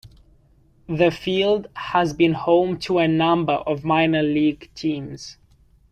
The field has been home to a number of minor league teams.